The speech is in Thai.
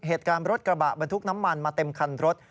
เหตุการณ์รถกระบะบรรทุกน้ำมันมาเต็มคันรถ